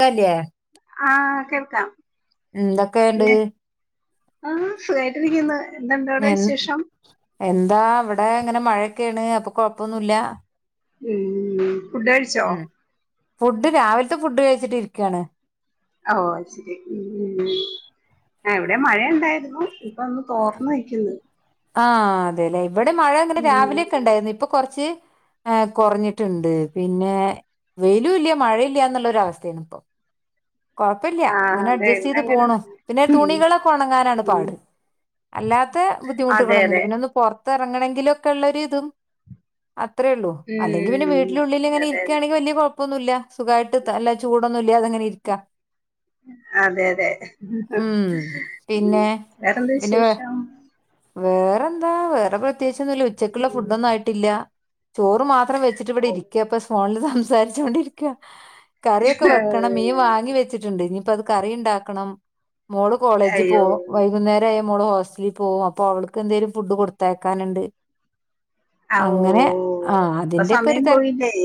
കല്യാ ആഹ് കേൾക്കാം എന്തൊക്കെയുണ്ട് പിന്നെ ആഹ് സുഖട്ടിരിക്കുന്നു എ എന്താ ഇവിടെ ഇങ്ങനെ മഴയൊക്കെയാണ് അപ്പൊ കൊഴപ്പൊന്നുമല്ല ഉം ഫുഡാഴിച്ചോ ഫുഡ് രാവിലത്തെ ഫുഡ് കഴിച്ചിട്ട് ഇരിക്കുവയാണ് ഓ ശരി ഉ ഇവിടെ മഴ ഉണ്ടായിരുന്നു അന്ന് തോർന്ന നക്കുന്നു ആ അതെല്ലെ ഇവിടെ മഴ അങ്ങനെ രാവിലെയൊക്കെ ഉണ്ടായിരുന്നു ഇപ്പൊ കുറച്ച് ആ കുറഞ്ഞിട്ടുണ്ട് പിന്നെ വെയിലു ഇല്ല മഴയില്ല എന്നുള്ളൊ ഒരു അവസ്ഥയാണ് ഇപ്പൊ കൊഴപ്പില്ല ആഹ് അങ്ങനെ അതെ അഡ്ജസ്റ്റ് ഇവിടെ ചെയ്ത് അങ്ങനെ പോണു തന്നെ പിന്നെ ഉം തുണികളൊക്കെ ഉണങ്ങാനാണ് ഉം പാട് അല്ലാത്ത അതെ ബുദ്ധിമുട്ടുകളൊന്നുമില്ല അതെ പിന്നെ ഒന്ന് പുറത്ത് ഇറങ്ങണെങ്കിലും ഒക്കെ ഉള്ളൊരു ഇതും അത്രേ ഉള്ളൂ അല്ലെങ്കിൽ പിന്ന ഉം വീട്ടിലുള്ളിൽ ഇങ്ങനെ അതെ അതെ ഇരിക്കുകയാണെങ്കിൽ വല ഉപ്പൊന്നുമ ഇല്ല സുഖമായിട്ട് അല്ല ചൂടൊന്നും ഇല്ല അത അങ്ങനെ ഇരിക്കാ ഉം [unintelligible] അതെ അതെ ഉം പിന്നെ വേറെന്ത് പിന്നെ വേ വിശേഷം വേറെന്താ വേറെ പ്രത്യേകിച്ച ഒന്നുമല്ല ഉച്ചക്കുള്ള ഉം ഫുഡ ഒന്നും ആയിട്ടില്ല ചോറ് മാത്ര വെച്ചിട്ട് ഇവിടെ ഓ ഇരിക്ക ഫോണിൽ സംസാരിച്ചു കൊണ്ട് ഇരിക്കാ കറിയൊക്കെ വെക്കണം മിൻവ വെച്ചിട്ടുണ്ട് എനിക്കറി ഉണ്ടാക്കണം മോള് കോളേജിൽ അയ്യോ പോകും വൈകുന്നേര മ്മള് ഹോസ്റ്റലിൽ പോകും അപ്പൊ അവൾക്ക് എന്തേലും ഫുഡ് കൊടുത്തേക്കാനുണ്ട് ആഹ് ഓ അങ്ങനെ ആ ഇപ്പൊ അതിന്റെ ഒക്കെ ഒരു സമയം തെര പോയില്ലേ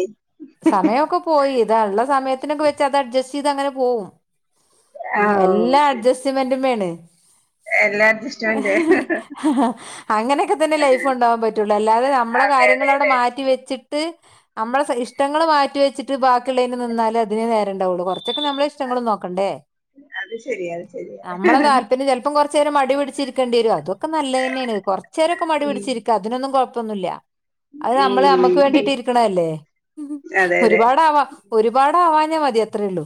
സമയമൊക്കെ പോയി അത ഉള്ള സമയത്തിനൊക്കെ വെച്ച് അത് അഡ്ജസ്റ്റ് ചെയ്ത് അങ്ങനെ പോകവും ആ ഓ എല്ലാ ശരി അഡ്ജസ്റ്റ്മെന്റും മോണ് എല്ലാ എഹ്, അഡ്ജസ്റ്റ്മെന്റ് ഹെ, ഹെ, ഹ, ഹ, അങ്ങനെക്കെതന്നെല്ലൈഫുണ്ടാവാൻ, പാട്ടൊള്ളു, അല്ലാതെ, നമ്മളെ അതെ അതെ കാര്യങ്ങളവ്ടെ, അതെ മാറ്റി വെച്ചി ട്ട്, അമ്മള, സ, ഇഷ്ടങ്ങള്, മാറ്റി വെച്ചിട്ട്, ബാക്കിയുള്ളേയ്ന്, നിന്നാലതിനെ, നേരണ്ടാഒള്ളൂ, കൊറച്ചൊ നമ്മളെഷ്ടങ്ങളും, നോക്കണ്ടേ, അത് ശരിയാ അത് ശരിയാ നമ്മള താല്പര്യം, ചെൽപ്പൊ കൊറച്ചേരം, മടി പിടിച്ചിരിക്കണ്ടിയരും, അതൊക്കെ നല്ലതെന്നേണ്, കൊർച്ചേരൊക്കെ, മടി ഉം പിടിച്ചിരിക്ക, അതിനൊന്നും കുഴപ്പൊന്നുല്ല. അത്, നമ്മള് അമ്മക്ക് ഉം വേണ്ടീട്ട്, ഇരിക്കണല്ലേ, അതെ അതെ ഒരുപാടാവാ, ഒരുപാടാവാൻ ഞ്ഞാമതി, അത്രെള്ളൂ.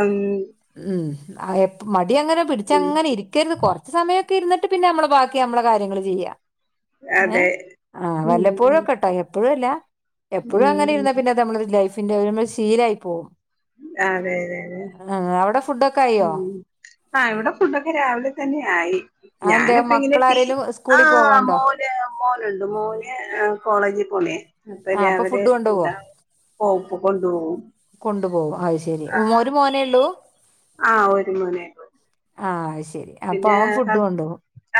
അങ്. അഎ, എപ്, മടി അങ്ങനെ, പിടിച്ചങ്ങനെ, ഇര്ക്കര്ത്, കൊർച്ച്, സമയൊ ക്കെരിന്നിട്ട്, പിന്നെമ്മള, ബാക്കി, അമ്മള, കാര്യങ്ങള്, ചെയ്യാ. ഏ, അതെ ആ, ഉം വല്ലപ്പോഴുക്കെട്ടോ, എപ്പോഴുഅല്ല. എപ്പഴും, അങ്ങനെ ഉം ഇരുന്ന പിന്നെ, അതനമ്മളൊര്, ലൈഫിന്റെ, ഒര്, നമ്മളെ, ശീലായി പോവും. അ, അതെ, അതെ, അതെ, ആ, അവിടെ ഫുഡൊക്കെ ആയോ ഉം. ആ, ഇവിടെ, ഫുഡൊക്കെ, രാവിലെ, തന്നെ ആയി. അതെന്തേ ഞാനപ്പ ഇങ്ങനെ, ട്ടി, മക്കളാരേലും ആ, സ്കൂളിൽ പോവാണ്ടോ മോന്, [unintelligible] ന്റെമോന്, ആ, കോളേജി, പോവുലെ, അപ്പൊര കൊണ്ടു പോവും, അത് ശെരി, ആ മൊരു മോനേള്ളൂ. ആ, ഒര് മോനേള്ളൂ. ആ, ആശ പിന്നെ, ഹസ്,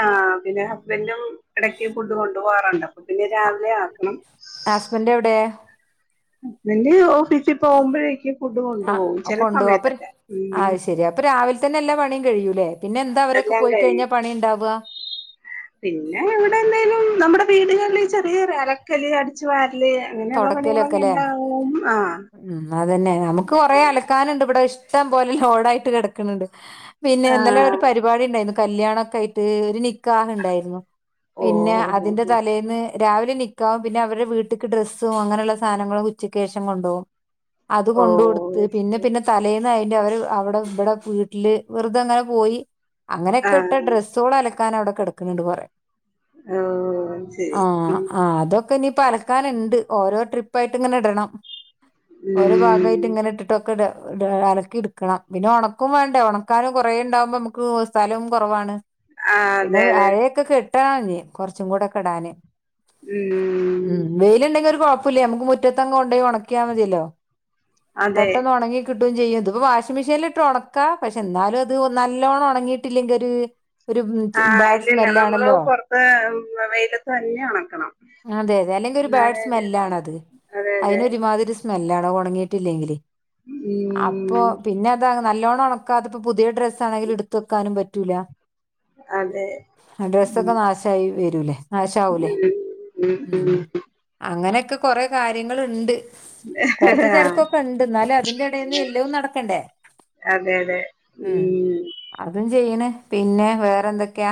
ആ, പിന്നെ, ഹസ്ബൻഡും, ഇടക്ക്, ഫുഡ് കൊണ്ടുപോവാറുണ്ട് പിന്നെ, രാവിലെ, ആക്കണം. ഹസ്ബൻഡ് എവിടെ നിന്റെ, ഓഫീസി പോമ്പഴേക്കും ആ, കൊണ്ടു പോവ, അപ്പൊര്, ഉം ആയ്ശെരി, അപ്പൊരാവിലെ തന്നെ, എല്ലാ പണിയും, കഴിയൂലേ. പിന്നെ, എന്താ, അവരൊക്കെ, എല്ലാം പോയി കഴിഞ്ഞാ, കഴിയും പണിണ്ടാവ. പിന്നെ, വെടെന്തേലും, നമ്മടെ, വീടുകളിൽ, ഈ, ചെറിയ, അലക്കല്, അടിച്ച് തൊ ടക്കലൊക്കെ, ലെ, ആഹ് ഉം, തെന്നെ, നമ്മക്ക്, കൊറേ, അലക്കാന്ണ്ട്, വ്ടെ ഇഷ് ഷ്ട്ടം, പോലെ, ലോഡായിട്ട്, കെടക്ക്ണ്ണ്ട്, പിന്നെ, ന്നെലെ, ഒരു ആഹ് പര്പാടി ണ്ടേയ്ന്നു കല്യാണൊക്കെയിട്ട്, ഒരു നിക്കാഹ്‌, ണ്ടായിരുന്നു, ഓ പിന്നെ, അതിന്റെ, തലേന്ന്. രാവിലെ, നിക്കാഹും, പിന്നെ, അവരെ, വീട്ട്ക്ക്, ഡ്രസ്സും, അങ്ങനെള്ള, സാനങ്ങളും, ഉച്ചയ്ക്കേഷം, കൊണ്ടോവും അത്, ഓ കൊണ്ട് കൊടുത്ത്, പിന്നെ, പിന്നെ, തലേ [unintelligible] അവര്, അവടെ, വടെ, വീട്ടില്, വെറുതങ്ങനെ, പോയി അങ്ങനെയൊക്കെ, ഇട്ട, ആഹ് ഡ്രസ്സൊള്, അലകാനവടെ, കിടക്ക്ണ് ണ്ട്, കൊറയെ ഓ ആ, ശരി ഉം അ, അതൊക്കെ ക്കെ, നിപ്പലക്കാന്ണ്ട്, ഓരോ, ട്രിപ്പായിട്ട്ങ്ങനെടണം, ഒരു, ഉം ഭാഗായ്ട്ടിങ്ങനെട്ടിട്ട് [unintelligible] അലക്കിട്ക്കണം, പിന്നെ, ഓണാക്കുംവാണ്ടെ, ഓണക്കാനും, കൊറയെ ണ്ടാവുമ്പോമ്മക്ക്, സ്ഥലോം, കൊറവാണ്. ആഹ് പിന്നെ, അതെ അതെ അഴയൊക്കെ, കെട്ടാഞ്ഞ്, കൊറച്ചും കൂടൊക്കെഡാന്. ഉം. ഉം, വെയില്ണ്ടെങ്കി, ഒരു, കൊയപ്പോംല്ല, നമ്മക്ക്, മുറ്റത്തങ്, കൊണ്ടോയി, ഓണാക്കിയാ മതിയല്ലോ. അതെ പെട്ടെന്ന്, ഒണങ്ങി, കിട്ട കിട്ടും, ചെയ്യും, തിപ്പൊ, വാഷിംഗ് മെഷീൻലിട്ട്, ഉണക്കാ, പക്ഷെന്നാലു അത്, ഒ, നല്ലോണൊണങ്ങീട്ടില്ലെങ്കി ഒരു ആ, ബാഡ് ഇല്ലല്ല, നമ്മള്, സ്മെല്ലാണല്ലോ പൊറത്ത്, എ, എം, വെയിലത്തന്നെ, ഒണക്കണം. എല്ലെങ്കി, ഒരു, ബാഡ് എന്നാലേ ഒരിതൊള്ളൂ സ്മെല്ലാണത്, അതെ അതെ അതിനൊരു മാതിരി, സ്മെല്ല [unintelligible] അപ്പൊ, ഉം പിന്നത നല്ലോണ്ണം ണക്കാതപ്പൊ, പുതിയ, ഡ്രസ്സാണെങ്കിലും, ടുത്ത് വെക്കാനും, പറ്റൂല. അതെ അ, ഉം ഡ്രസ്സൊക്കെ, നാശായി വരൂല്ലേ, നാശാവൂലേ. ഉം, അങ്ങനെയൊക്കെ, കൊറെ, കാര്യങ്ങള്ണ്ട്. കൊറച്ച്, ആഹ് തെരക്കൊക്കെണ്ട്, ന്നാലും, അതിന്റെടയില്, എല്ലവും നടക്കണ്ടേ. അതെ അതെ ഉം, അതും ചെയ്യണ്, പിന്നെ വേറെ, എന്തൊക്കെ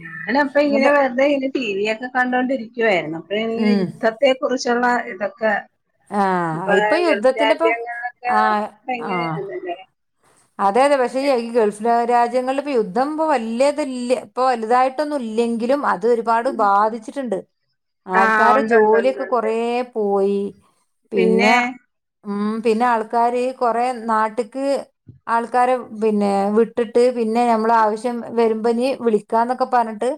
ഞാനപ്പ, ഇങ്ങനെ, വെർതെ, ഇങ്ങനെ, ടി വി ഒക്കെ, ക്കണ്ടൊണ്ടിരിക്കുവായിരുന്നു, അപ്പങ്ങനെ, ഉം യുദ്ധത്തെ, കുറിച്ച് ചുള്ള, ഇതൊക്കെ ആഹ് ഇപ്പൊ ഗൾഫ് യുദ്ധത്തിന്റെപ്പൊ രാജ്യങ്ങളിലൊക്കെ ഭയങ്കര [unintelligible] ല്ലേ അതെതെ പക്ഷെ ഈ ഈ ഗൾഫ് രാജ്യങ്ങളില് പ്പൊ യുദ്ധം പ്പൊ വല്യതില്ല ഇപ്പൊ വലുതായിട്ടൊന്നും ഇല്ലെങ്കിലും അ അത് ഒരുപാട് ബാധിച്ചിട്ടുണ്ട് ആഹ് ആൾക്കാരെ ജോലിയൊക്കെ ഒണ്ടൊണ്ടൊണ്ടൊണ്ട് കൊറേ പോയി പിന്നെ ഉം പിന്നെ ആൾക്കാര് കൊറേ നാട്ട്ക്ക് ആൾക്കാരെ പിന്നെ വിട്ടിട്ട് പിന്നെ നമ്മള് ആവശ്യം വരുമ്പനി വിളിക്കാന്നൊക്കെ പറഞ്ഞിട്ട്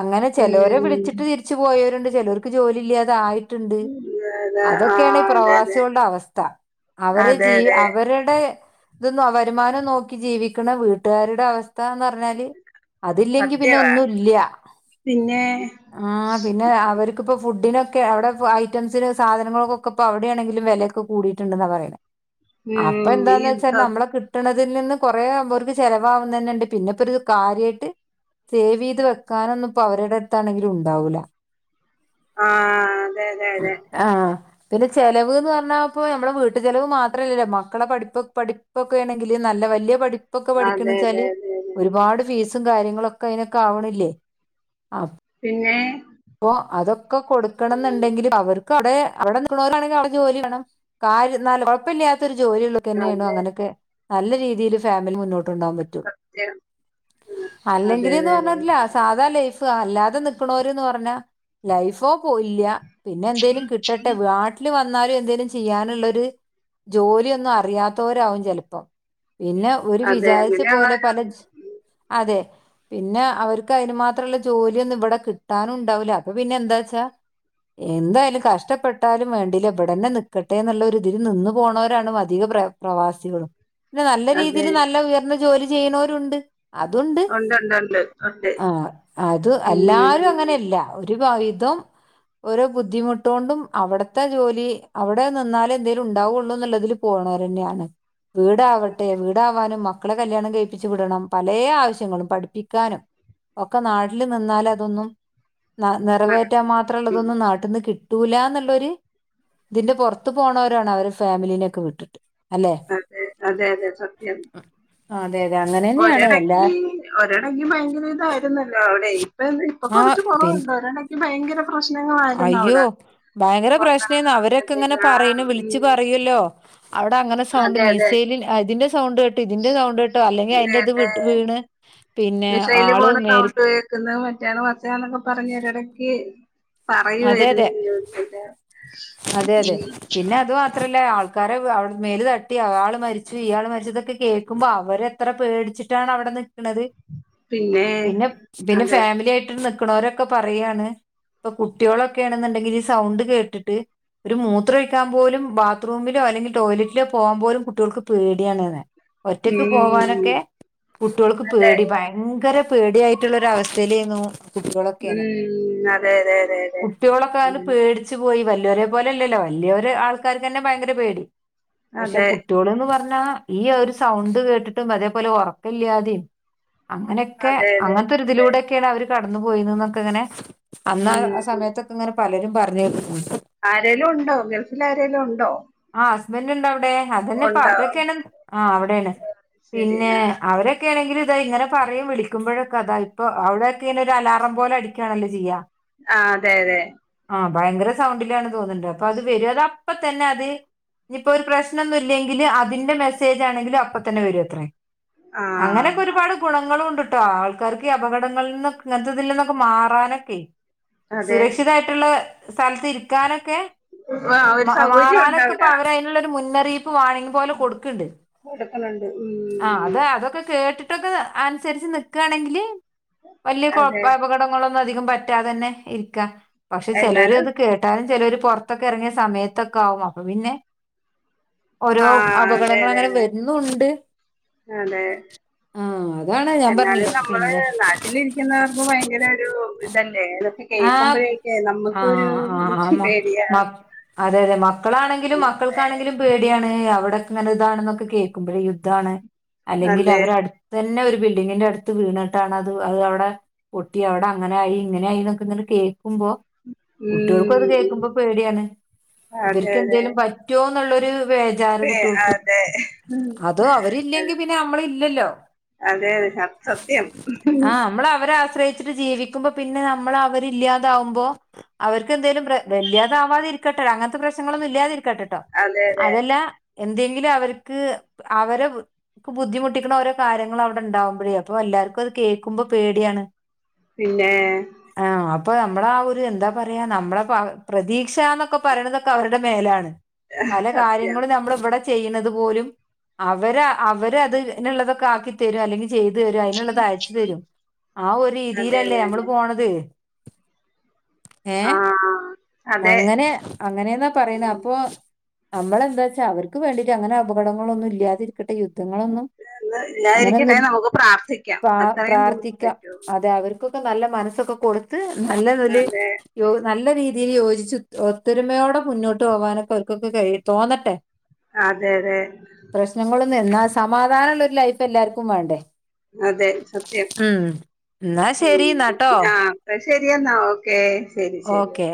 അങ്ങനെ ചിലവരെ ഉം വിളിച്ചിട്ട് തിരിച്ചു പോയവരുണ്ട് ചിലവർക്ക് ജോലി ഇല്ലാതെ ആയി ട്ട്ണ്ട് അതെ ആ അതൊക്കെയാണ് ഈ അതെ അതെ പ്രവാസികളുടെ അവസ്ഥ അവരെ അതെ ജീ അതെ അവരുടെ ത് വരുമാനം നോക്കി ജീവിക്ക്‌ണ വീട്ടുകാരുടെ അവസ്ഥന്ന് പറഞ്ഞാല് അതില്ലെങ്കി പിന്നെ സത്യവാ ഒന്നുംല്ല്യ പിന്നെ ആഹ് പിന്നെ അവർക്കിപ്പ ഫുഡിനൊക്കെ അവിടെ ഐറ്റംസിന് സാധനങ്ങളൾക്കൊക്കെപ്പോ അവിടെയാണെങ്കില് വിലയൊക്കെ കൂടിട്ടുണ്ടെന്നാ പറയുന്നെ ഉം യുദ്ധം നമ്മളെ കിട്ടണതിൽ നിന്ന് കൊറേ വേർതെ ചെിലവാകുന്നെന്നെണ്ട് പിന്നെ ഇപ്പൊരു കാര്യായിട്ട് സേവ് ചെയ്ത് വെക്കാനൊന്നിപ്പോ അവരുടെ അടുത്താണെങ്കിലും ഉണ്ടാവൂല ആ അതെ അതെ ആഹ് പിന്നെ ചെലവ്ന്ന് പറഞ്ഞാൽ പ്പോ നമ്മളുടെ വീട്ടു ചിലവ് മാത്രമല്ലല്ലോ മക്കളെ പഠിപ്പ് പഠിപ്പൊക്കെ ആണെങ്കിൽ നല്ല വല്യ പഠിപ്പൊക്കെ അതെ പഠിക്കണ്ച്ചാല് അതെ അതെ അതെ അതെ ഒരുപാട് ഫീസ് കാര്യങ്ങളൊക്കെ അയ്നൊക്കാവ്ണില്ലേ പിന്നേ അപ്പോ അതൊക്കെ കൊടുക്കണംന്നുണ്ടെങ്കില് അവർക്ക് അവിടെ അവിടെ നിക്ക്ണോലാണെങ്കില് അവിടെ ജോലി വാണം ര്യം ന്നാലും കൊഴപ്പില്ലാത്തൊരു ജോലി ഉള്ളോൽക്കെന്നേണ് അതെ അങ്ങനെയൊക്കെ നല്ല രീതിയില് ഫാമിലി മുന്നോട്ട് ട്ട് കൊണ്ടോവാൻ പറ്റു സത്യം ഉം. അതെ അല്ലെങ്കില്ന്ന് അതെ പറഞ്ഞാ സാധാ ലൈഫ് അല്ലാതെ നിക്ക്‌ണോര്ന്ന് പറഞ്ഞാ ലൈഫോ പോയില്ല പിന്നെ എന്തേലും കിട്ടട്ടെ നാട്ടില് വന്നാലും എന്തേലും ചെയ്യാനുള്ളൊരു ജോലിയൊന്നും അറിയാത്തവരാവും ചിലപ്പോ പിന്നെ ഓര് അതെ അതെ വിചാരിച്ച പോലെ പല അങ്ങനെയുള്ളവരുണ്ട് അതെ പിന്നെ അവർക്ക് അതിന് മാത്രമുള്ള ജോലിയൊന്നും ഇവിടെ കിട്ടാനും ഉണ്ടാവൂല അപ്പൊ പിന്നെ എന്താച്ചാ എന്തായാലും കഷ്ടപ്പെട്ടാലും വേണ്ടില വിടെന്നെ നക്കട്ടെന്നുള്ളൊരു തില് നിന്നു പോണവരാണ് അധികം പ്ര പ്രവാസികളും പിന്നെ നല്ല അതെ രീതിയില് നല്ല ഉയർന്ന ജോലി ചെയ്യുന്നവരുണ്ട് അതുണ്ട് ഉണ്ട് ഉണ്ട് ഉണ്ട് ഉണ്ട് ആഹ് അത് ഉം. എല്ലാരും അങ്ങനെയല്ല ഒരു [unintelligible] ഓരോ ബുദ്ധിമുട്ട് കൊണ്ടും അവിടത്തെ ജോലി അവിടെ നിന്നാലേ എന്തേലും ഉണ്ടാവുള്ളൂന്നുള്ളതില് പോ ക്ണോരന്നാണ് വീടാവട്ടെ വീടാവാനും മക്കളെ കല്യാണം കഴിപ്പിച്ചു വിടണം പലേ ആവശ്യങ്ങളും പഠിപ്പിക്കാനും ഒക്കെ നാട്ടില് നിന്നാല് അതൊന്നും നിറവേറ്റാൻ നടക്ക- ഉം. മാത്രള്ളതൊന്നും നാട്ടിന്ന് കിട്ടി ട്ടൂലന്നുള്ളൊരുതിന്റെ പുറത്ത് പോണവരാണ് അവര് ഫാമിലിനൊക്കെ വിട്ടിട്ട് അല്ലേ അതെ അതെ അതെ സത്യം അതെ അതെ അങ്ങനെ തന്നെയാണ് എല്ലാ ഒരിടക്ക് ഒരിടക്ക് ഭയങ്കര ഇതായിരുന്നല്ലോ അവിടെ അ ഇപ്പ ഇപ്പൊ ആ കൊറച്ച് പിന്നെ കുറവുണ്ടൊ ഒരടക്ക് ഭയങ്കര പ്രശ്നങ്ങളായിരുന്നു അയ്യോ അവിടെ ഭയങ്കര പ്രശ്നേന്ന് പുറത്തിറങ്ങാൻ അവരൊക്കെ ഇങ്ങനെ പറ്റത്തില്ല പറയുന്നു ഉം, വിളിച്ചു പറയൂല്ലോ അവിടെ അങ്ങനെ സൗണ്ട് അതെ അതെ മീസൈല അതിന്റെ സൗണ്ട് കേട്ടു ഇതിന്റെ സൗണ്ട് കേട്ടു അല്ലെങ്കിൽ അതിന്റെത് അതെ വീണ് പിന്നെ മിസൈല് ആള് പോണ മേൽ സൗണ്ട് കേൾക്കുന്നത് മറ്റാണ് മർച്ചാന്നൊക്കെ പറഞ്ഞിറിടക്ക് അതെ പറയുവായിരുന്ന് അതെ അതെ അതെ പിന്നെ അത് മാത്രല്ല ആൾക്ക ക്കാരെടെ മേല് തട്ടി ആയാള് മരിച്ചു ഇയാള് മരിച്ചതൊക്കെ കേൾക്കുമ്പോ അവരെത്ര പേടിച്ചിട്ടാണ് അവിടെ നിക്ക്ണത് പിന്നെ പിന്നെ അതെ ഫാമിലി ആയിട്ട ക്ക്‌ണോരൊക്കെ പറയാണ് ഇപ്പൊ കുട്ടികളൊക്കേണ്ന്നുണ്ടെങ്കില് ഈ സൗണ്ട് കേട്ടിട്ട് ഒരു മൂത്രം ഒഴിക്കാൻ പോലും ബാത്റൂമിലോ അല്ലെങ്കിൽ ടോയ്ലറ്റിലോ പോവാൻ പോലും കുട്ടികൾക്ക് പേടിയാണ്ന്ന് ഒറ്റക്ക് ഉം, പോവാനൊക്കെ കുട്യോൾക്ക് അതെ പേടി ഭയങ്കര പേടിയായിട്ടുള്ള ഒര് അവസ്ഥയിലേനു കുട്ടികളൊക്കേന്ന് ഉം, അതെ അതെ അതെ കുട്ട്യോളൊക്കെ അതെ പേടിച്ചു പോയി വല്ല്യ വല്യോരെ പോല്ലല്ലോ വല്യ ആൾക്കാർക്കന്നെ ഭയങ്കര പേടി പക്ഷെ അതെ അതെ കുട്ട്യോള്ന്ന് പറഞ്ഞ ഈ ഒരു സൗണ്ട് കേട്ടിട്ടും അതേപോലെ ഉറക്കല്ലാതേം അങ്ങനൊക്കെ അതെ അതെ അതെ അങ്ങനത്തൊരിതിലൂടൊക്കെയാണ് അവര് കടന്നു പോയിന്ന്ന്നൊക്കെ അങ്ങനെ അന്നാ ആ ഉം സമയത്തൊക്കെ ഇങ്ങനെ പലരും പറഞ്ഞ് കേക്കണ് ആരേലുണ്ടോ ഗൾഫിൽ ആരേലുണ്ടോ ആഹ് ഹസ്ബന്റിണ്ട് അവി ണ്ട് അതന്നെ ഇപ്പ അവതൊക്കെണം ആഹ് അവിടേണ്. ശരി പിന്നെ ആ അവരൊക്കെ ആണെങ്കില് തയ് ഇങ്ങനെ പറയും വിളിക്കുമ്പോഴൊക്കെ അതാ ഇപ്പൊ അവിടൊക്കെനൊരു അലാറം പോലെ അടിക്കാണല്ലോ ചെയ്യാ ആഹ് അതെ അതെ ആഹ് ഭയങ്കര സൗണ്ടിലാണ് തോന്നണ്ട്. അപ്പൊ അത് വരു അത് അപ്പ തന്നെ അത് ഇഞ്ഞിപ്പോ ഒരു പ്രശ്നൊന്നുല്ലെങ്കില് അതിന്റെ മെസ്സേജ് ആണെങ്കിലും അപ്പ തന്നെ വരൂത്രേ. ആ അങ്ങനെയൊക്കെ ഒരുപാട് ഗുണങ്ങളൂണ്ട്. ട്ടോ ആൾക്കാർക്ക് അപകടങ്ങളി നിന്ന് ഇങ്ങനത്തെതിൽന്നൊക്കെ മാറാനൊക്കെ അതെ സുരക്ഷിതായിട്ടുള്ള സ്ഥലത്ത് ഇരിക്കാനൊക്കെ ആ ഒരു മ സൗകര്യം ഉണ്ട് മാറാനൊക്കെ അപ്പോ അവിടെ അവരതിനുള്ളൊരു മുൻ വാണിങ് പോലെ കൊടുക്ക്ണ്ട് കൊടുക്കുന്നുണ്ട് ആഹ് ഉം അത് അതൊക്കെ കേട്ടിട്ട് ട്ടൊക്കെ അനുസരിച്ച് നിക്കാണെങ്കില് വല്യ കൊ അതെ അപകടങ്ങളൊ ന്നും അധികം പറ്റാതെ തന്നെ ഇരിക്കാ പക്ഷേ ചെലോര് എന്നാലും അത് കേട്ടാ ചെലോര് പൊറത്തൊക്കെ എറങ്ങിയ സമയത്തൊക്കെ ആകും അപ്പോ പിന്നെ ഓരോ ആ അതെ അതെ അപകടങ്ങളങ്ങനെ അതെ വരുന്നൂവോണ്ട് അതെ അതാണ് ഞാൻ എന്നാലും പറഞ്ഞില്ലേ നമ്മള് പിന്നെ നാട്ടിലിരിക്കുന്നവർക്ക് ഭയങ്കര ഒരു ഇതല്ലേതൊക്കെ ആഹ് കേക്കുമ്പഴേക്കെ നമുക്കൊരു ആഹ് ആഹ് മ പേടിയാ മ അതെ അതെ മക്കളാണെങ്കിലും ഉം. മക്കൾക്കാണെങ്കിലും പേടിയാണ് നെ അവടൊക്കെങ്ങ ഇതാണെന്ന് കേക്കുമ്പഴേ യുദ്ധാണ് അല്ലെങ്കിൽ അതെ അവരെ അടുത്ത ന്നെ ഒരു ബിൽഡിങ്ങിന്റെ അടുത്ത് വീണിട്ടാണ് അത് അത് അവടെ പൊട്ടി അവടെ അങ്ങനായി ഇങ്ങനായി [unintelligible] കേ ക്കുമ്പോ കുട്ട്യോൾക്കും അത് കേൾക്കുമ്പോ ഉം പേടിയാണ് അതെ ഇവർക്ക് അതെ എന്തേലും പറ്റോ ന്ന്ള്ളൊരു വേജാർ അതെ കുട്ട്യോൾക്ക് അതെ അതൊ അവരില്ലെങ്കിൽ പിന്നെ നമ്മള് ഇല്ലല്ലോ അതെ അതെ സ സത്യം ആഹ് നമ്മള് അവരെ ആശ്രയിച്ചിട്ട് ജീവിക്കുമ്പോ പിന്നെ മ്മള് അവരില്ല്യാതാവുമ്പോ അവർക്ക് എന്തേലും വല്ലാതാവാതിരിക്കട്ടെ അങ്ങനത്തെ പ്രശ്നങ്ങളൊന്നും ഇല്ലാതിരി ക്കട്ടട്ടോ അതെ അതെ അതല്ല എന്തെങ്കിലും അവര്ക്ക് അവരെ ബുദ്ധിമുട്ടിക്കണ ഓരോ കാര്യങ്ങള് അവടെ ഇണ്ടാകുമ്പഴേ അപ്പ [unintelligible] എല്ലാർക്കും അത് കേക്കുമ്പോ പേടിയാണ് പിന്നെ അപ്പോ നമ്മളാ ഒരു എന്താ പറയാ നമ്മളെ പ്രതീക്ഷാന്നൊക്കെ പറയണതൊക്കെ അവരുടെ മേലാണ് പല സത്യം കാര്യങ്ങളും നമ്മള് ഇവടെ ചെയ്യണത് പോലും അവര് അവരതിനുള്ളതൊക്കെ ആക്കി തരും അല്ലെങ്കി ചെയ്ത് തരും, അയിനുള്ളത് അയച്ച് തരും, ആ ഒരു അതെ രീതിയിലല്ലേ അതെ അമ്മള് അതെ പോണത്. ആ ഏഹ് അതെ അങ്ങനെ അങ്ങനെന്നാ പറയ്ന്നെ അപ്പോ നമ്മളെന്താച്ചാ അവർക്ക് വേണ്ടീട്ട് അങ്ങനെ അപകടങ്ങളൊന്നും ഇല്ലാതിരിക്കട്ടെ യുദ്ധങ്ങളൊന്നും. ഇന്ന് അങ്ങനൊന്നും ഇല്ലാതിരിക്കട്ടെ ഇല് നമുക്ക് പ്രാർത്ഥിക്കാം പ്രാ അത്രയും നമുക്ക് പ്രാർത്ഥിക്കാം, പറ്റൂ അതെ അവർക്കൊ ക്കെ നല്ല മനസ്സൊക്കെ കൊടുത്ത് നല്ലതില് അതെ യോ നല്ല രീ തി യോജിച്ച് ഉത് ഒത്തൊരുമയോടെ മുന്നോട്ട് പോകാനൊക്കെ അവർക്കൊക്കെ കഴി തോന്നട്ടെ. അതെ അതെ. മ് എന്നാ സമാധാനുള്ള ഒരു ലൈഫ് എല്ലാർക്കും വേണ്ടേ? അതെ സത്യം ഉം എന്നാ ശരി എന്നാട്ടോ മ് ആഹ് ഇപ്രാശ് ശെരിയെന്നാ ഓക്കെ ശെരി ശെരി ഓ ഓക്കെ